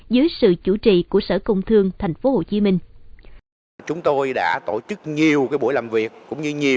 dưới sự chủ trì của sở công thương thành phố hồ chí minh